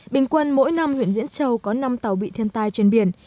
bình quân mỗi năm huyện diễn châu có năm tàu bị thiên tai trên biển